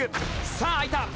さあ開いた。